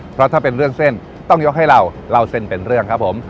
เพราะถ้าเป็นเรื่องเส้นต้องยกให้เราเล่าเส้นเป็นเรื่องครับผม